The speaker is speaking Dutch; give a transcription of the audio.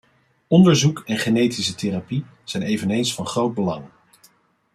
Onderzoek en genetische therapie zijn eveneens van groot belang.